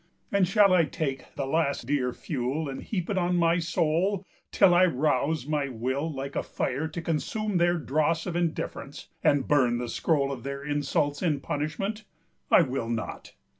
And shall I take The last dear fuel and heap it on my soul Till I rouse my will like a fire to consume Their dross of indifference, and burn the scroll Of their insults in punishment? I will not!